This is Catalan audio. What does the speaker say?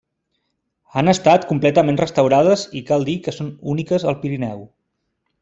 Han estat completament restaurades i cal dir que són úniques al Pirineu.